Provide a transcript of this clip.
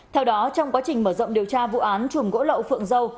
theo đó trong quá trình mở rộng điều tra vụ án chùm gỗ lậu phượng dâu